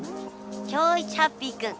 今日一ハッピーくん！